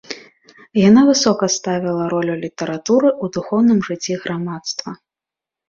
Яна высока ставіла ролю літаратуры ў духоўным жыцці грамадства.